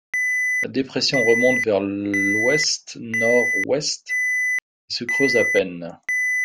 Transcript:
La dépression remonte vers l'ouest-nord-ouest et se creuse à peine.